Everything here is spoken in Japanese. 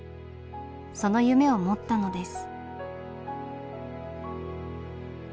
その夢を持ったのです。